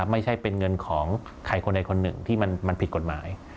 ไม่ใช่เป็นเงินของใครคนใดคนหนึ่งที่มันผิดกฎหมาย